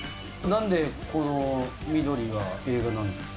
なんでこの緑が映画なんですか。